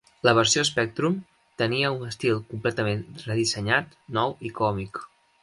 La versió Spectrum tenia un estil completament redissenyat, nou i còmic.